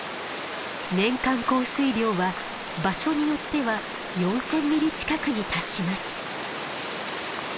年間降水量は場所によっては４，０００ミリ近くに達します。